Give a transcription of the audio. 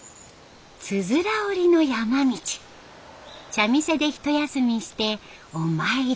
茶店で一休みしてお参り。